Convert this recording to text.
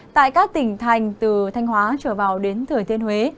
tại các tỉnh thành từ thanh hóa trở vào đến thừa thiên huế